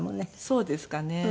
そうですかね。